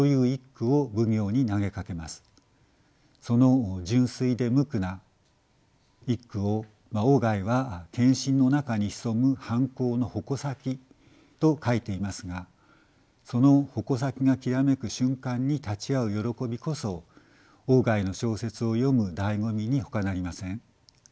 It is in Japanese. その純粋で無垢な一句を外は献身の中に潜む反抗の矛先と書いていますがその矛先がきらめく瞬間に立ち会う喜びこそ外の小説を読むだいご味にほかなりません。